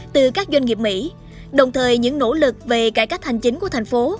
từ các doanh nghiệp mỹ đồng thời những nỗ lực về cải cách hành chính của thành phố